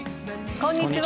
こんにちは。